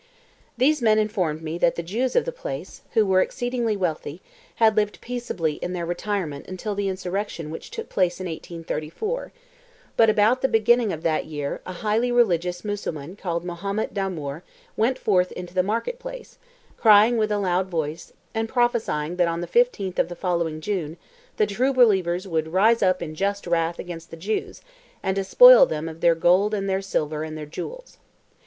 These men informed me that the Jews of the place, who were exceedingly wealthy, had lived peaceably in their retirement until the insurrection which took place in 1834, but about the beginning of that year a highly religious Mussulman called Mohammed Damoor went forth into the market place, crying with a loud voice, and prophesying that on the fifteenth of the following June the true Believers would rise up in just wrath against the Jews, and despoil them of their gold and their silver and their jewels.